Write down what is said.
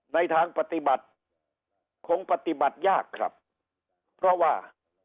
ในทางปฏิบัติคงปฏิบัติยากครับเพราะว่า